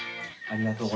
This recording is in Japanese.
ありがとう。